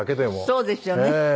そうですよね。